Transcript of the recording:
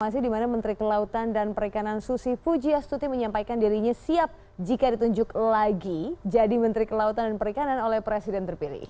masih dimana menteri kelautan dan perikanan susi pujiastuti menyampaikan dirinya siap jika ditunjuk lagi jadi menteri kelautan dan perikanan oleh presiden terpilih